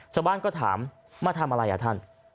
ชาวบ้านก็ถามมาทำอะไรอ่ะท่าน